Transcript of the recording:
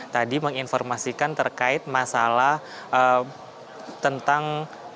tadi menginformasikan terkait masalah tentang